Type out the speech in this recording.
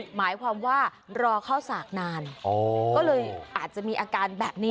หมายความว่ารอเข้าสากนานก็เลยอาจจะมีอาการแบบนี้